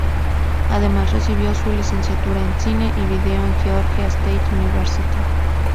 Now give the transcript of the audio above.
Además recibió su licenciatura en Cine y Video en Georgia State University.